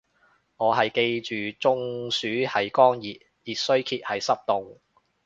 我係記住中暑係乾熱，熱衰竭係濕凍